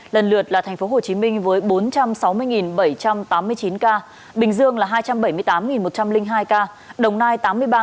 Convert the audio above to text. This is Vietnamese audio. lần lượt là tp hcm với bốn trăm sáu mươi